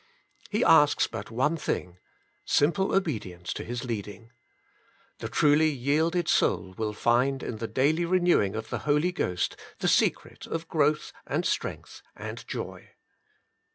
He asks but one thing, — simple obedience to His leading. The truly yielded soul will find in the daily renewing of the Holy Ghost the secret of growth and strength and joy.